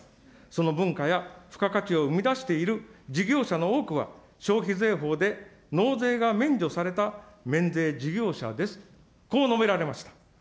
その文化や付加価値を生み出している事業者の多くは、消費税法で納税が免除された免税事業者です、こう述べられました。